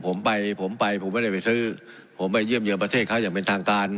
ผมไปผมไปผมไม่ได้ไปซื้อผมไปเยี่ยมเยี่ยมประเทศเขาอย่างเป็นทางการ